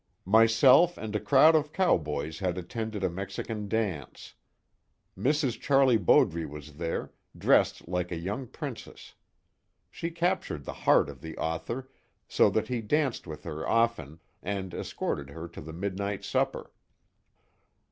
Myself and a crowd of cowboys had attended a Mexican dance. Mrs. Charlie Bowdre was there, dressed like a young princess. She captured the heart of the author, so that he danced with her often, and escorted her to the midnight supper.